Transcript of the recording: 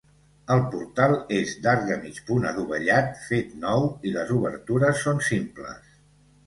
El portal és d’arc de mig punt adovellat fet nou i les obertures són simples.